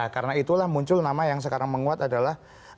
karena itulah muncul nama yang sekarang menguat adalah